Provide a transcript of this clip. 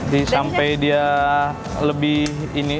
disampai dia lebih ini